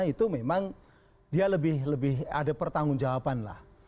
itu memang dia lebih ada pertanggung jawaban lah